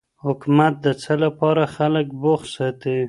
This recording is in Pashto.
حکومت د څه لپاره خلګ بوخت ساتي؟